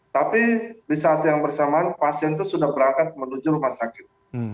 tapi di saat yang bersamaan pasien itu sudah berangkat menuju rumah sakit